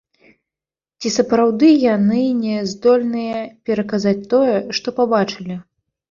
Ці сапраўды яны не здольныя пераказаць тое, што пабачылі?